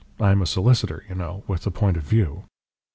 I am a solicitor, you know, with a point of view.